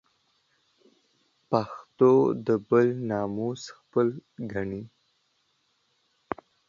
پښتون د بل ناموس خپل ګڼي